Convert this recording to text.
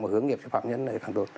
và hướng nghiệp cho phạm nhân